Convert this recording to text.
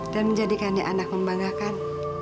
dan menjadikannya anak membanggakan